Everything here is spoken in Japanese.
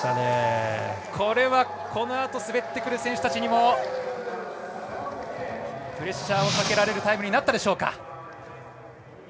これはこのあと滑ってくる選手たちにもプレッシャーをかけられるタイムになったでしょうか。